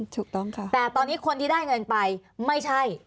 ถูกต้องค่ะแต่ตอนนี้คนที่ได้เงินไปไม่ใช่